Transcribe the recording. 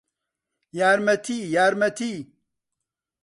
یارمەتی! یارمەتی!